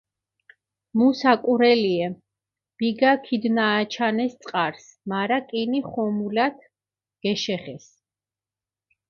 მუ საკურელიე, ბიგა ქიდჷნააჩანეს წყარსჷ, მარა კინი ხომულათ გეშეღესჷ.